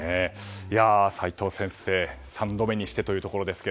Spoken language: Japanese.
齋藤先生、３度目にしてというところですが。